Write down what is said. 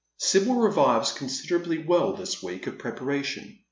Sibyl revives considerably during this week of preparation.